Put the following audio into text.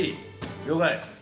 了解。